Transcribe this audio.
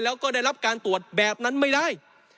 แล้วก็ได้รับการตรวจแบบนั้นไม่ได้